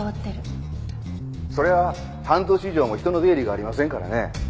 そりゃあ半年以上も人の出入りがありませんからね。